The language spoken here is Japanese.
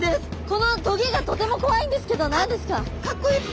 このトゲがとてもこわいんですけど何ですか？